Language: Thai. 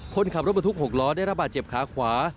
คนขับรถบรรทุก๖ล้อได้ระบาดเจ็บขาขวา